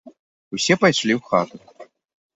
Усе пайшлі ў хату.